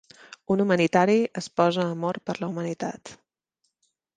Un humanitari esposa amor per la humanitat.